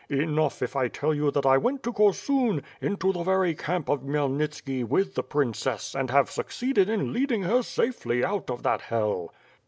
Enough, if I tell you that I went to Korsun, into the very camp of Khmyelnitski with the princess and have succeeded in leading her safely out of that hell."